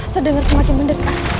terdengar semakin mendekat